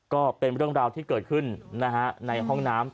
ก็เป็นเรื่องราวที่เกิดขึ้นในห้องน้ำ